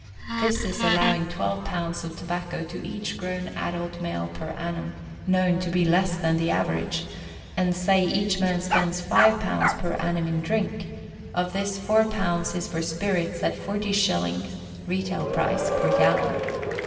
This is allowing 12 Ibs. of tobacco to each grown adult male per annum known to be less than the average and say each man spends 5 per annum in drink, of this 4 is for spirits at 40s. (retail price) per gallon.